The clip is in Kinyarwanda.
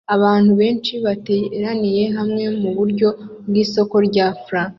Abantu benshi bateraniye hamwe muburyo bwisoko rya fla